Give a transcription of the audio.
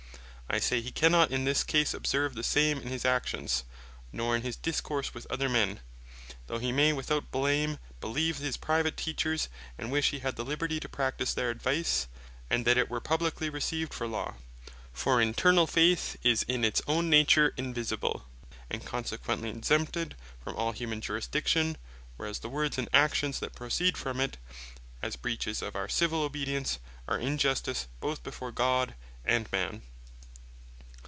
I say, he cannot in this case observe the same in his actions, nor in his discourse with other men; though he may without blame beleeve the his private Teachers, and wish he had the liberty to practise their advice; and that it were publiquely received for Law. For internall faith is in its own nature invisible, and consequently exempted from all humane jurisdiction; whereas the words, and actions that proceed from it, as breaches of our Civil obedience, are injustice both before God and Man.